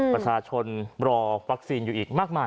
ประชาชนรอวัคซีนอยู่อีกมากมาย